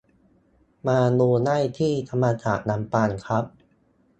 มาดูได้ที่ธรรมศาสตร์ลำปางครับ